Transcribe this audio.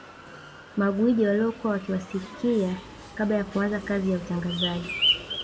Magwiji waliokuwa wakiwasikia kabla ya kuanza kazi ya utangazaji